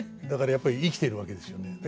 だからやっぱり生きてるわけですよね。